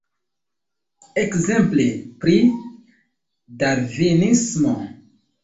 Ekzemple pri Darvinismo.